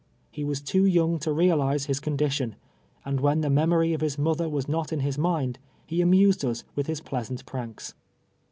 lie was too young to realize his condition, and when tlie memory of his mother was not in his mind, he amused us with his pleasant pranks.